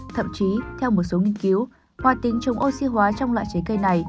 thậm chí theo một số nghiên cứu hòa tính chống oxy hóa trong loại trái cây này